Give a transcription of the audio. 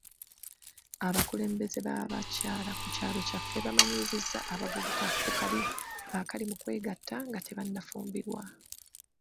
Abakulembeze b'abakyala ku kyalo kyaffe bamanyiizizza abavubuka ku kabi akali mu kwegata nga tebannafumbirwa.